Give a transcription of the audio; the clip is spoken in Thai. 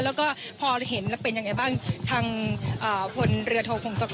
แล้วก็พอเห็นแล้วเป็นยังไงบ้างทางพลเรือโทพงศกร